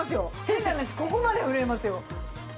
変な話ここまで震えますよ。